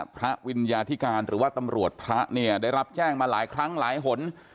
วิญญาธิการหรือว่าตำรวจพระเนี่ยได้รับแจ้งมาหลายครั้งหลายหน